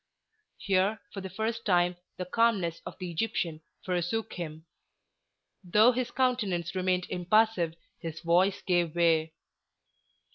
Here, for the first time, the calmness of the Egyptian forsook him: though his countenance remained impassive, his voice gave way.